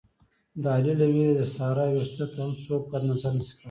د علي له وېرې د سارې وېښته ته هم څوک بد نظر نشي کولی.